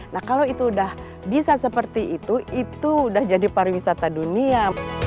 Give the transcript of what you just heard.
nah kalau itu udah bisa seperti itu itu udah jadi pariwisata dunia